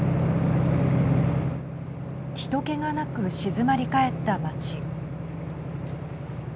人けがなく静まり返った町。